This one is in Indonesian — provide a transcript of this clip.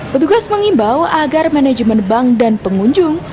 petugas mengimbau agar manajemen bank dan pengunjung